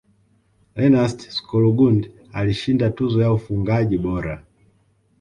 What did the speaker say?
lennart skoglund alishinda tuzo ya ufungaji bora